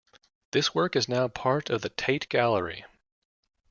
This work is now part of the Tate Gallery.